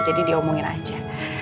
jadi diomongin aja